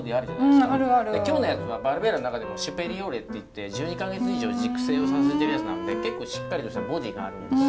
で今日のやつはバルベーラの中でもシュプリオールって言って１２か月以上熟成をさせてるやつなんで結構しっかりしたボディーがあるんです。